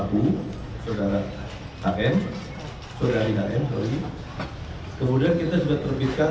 pertama saudara y yang dijual kemudian istri dari saudara ss yang juga pelaku saudara hm